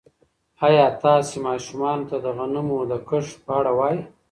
ایا تاسي ماشومانو ته د غنمو د کښت په اړه وایئ؟